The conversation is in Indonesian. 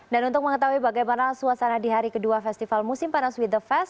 dan untuk mengetahui bagaimana suasana di hari kedua festival musim panas with the fest